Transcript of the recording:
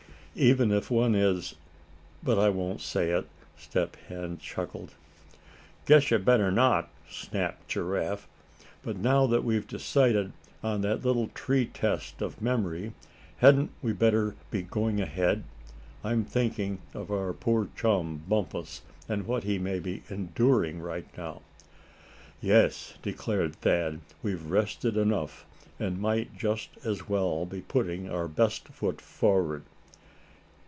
"Even if one is but I won't say it," Step Hen chuckled. "Guess you better not," snapped Giraffe. "But now that we've decided on that little tree test of memory, hadn't we better be going ahead? I'm thinkin' of our poor chum Bumpus, and what he may be enduring right now." "Yes," declared Thad, "we've rested enough, and might just as well be putting our best foot forward."